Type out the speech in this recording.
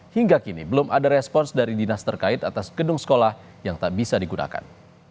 hingga kini belum ada respons dari dinas terkait atas gedung sekolah yang tak bisa digunakan